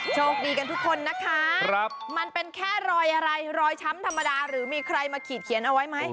โชคดีกันทุกคนนะคะมันเป็นแค่รอยอะไรรอยช้ำธรรมดาหรือมีใครมาขีดเขียนเอาไว้ไหม